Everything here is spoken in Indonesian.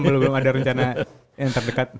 belum belum ada rencana yang terdekat